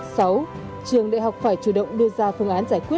sáu trường đại học phải chủ đề